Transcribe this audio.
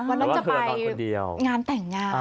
วันนั้นจะไปงานแต่งงาน